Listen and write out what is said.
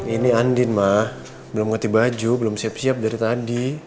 ini andin mah belum ngerti baju belum siap siap dari tadi